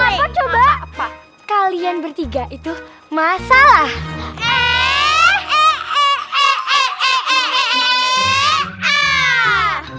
apa apa kalian bertiga itu masalah eh eh eh eh eh eh eh eh eh eh eh eh eh eh eh eh eh eh eh eh